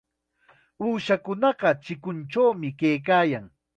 Uushakunaqa chikunchawmi kaykaayan.